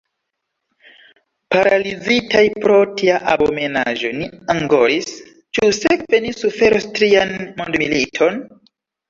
Paralizitaj pro tia abomenaĵo ni angoris: ĉu sekve ni suferos trian mondmiliton?